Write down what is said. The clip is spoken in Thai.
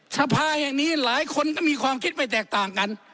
สภาแห่งนี้หลายคนก็มีความคิดไม่แตกต่างกัน